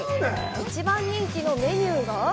一番人気のメニューが？